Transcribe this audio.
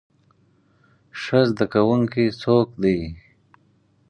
ښه زده کوونکی څوک دی؟